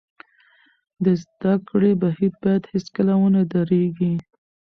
د زده کړې بهیر باید هېڅکله ونه درېږي.